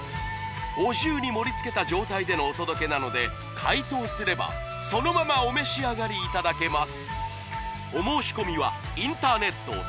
お重に盛り付けた状態でのお届けなので解凍すればそのままお召し上がりいただけます